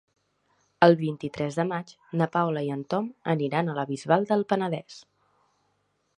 El vint-i-tres de maig na Paula i en Tom aniran a la Bisbal del Penedès.